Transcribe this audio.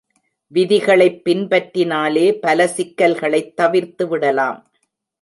விதிகளைப் பின்பற்றினாலே பல சிக்கல்களைத் தவிர்த்துவிடலாம்.